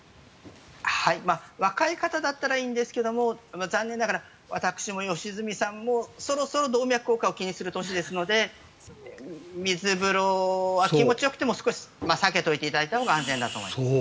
若い方だったらいいんですが残念ながら私も良純さんもそろそろ動脈硬化を気にする年ですので水風呂は気持ちよくても避けておいていただいたほうがいいと思います。